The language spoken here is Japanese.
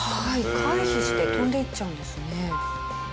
回避して飛んでいっちゃうんですね。